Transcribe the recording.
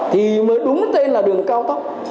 thì mới đúng tên là đường cao tốc